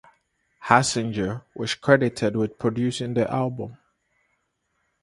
Hassinger was credited with producing the album.